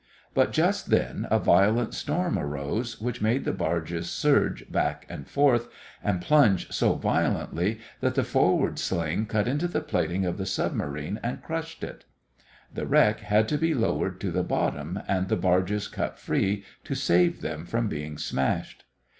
But just then a violent storm arose, which made the barges surge back and forth and plunge so violently that the forward sling cut into the plating of the submarine and crushed it. The wreck had to be lowered to the bottom and the barges cut free to save them from being smashed.